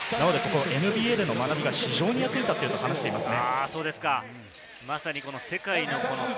ＮＢＡでの学びが非常に役に立っていると話していますね。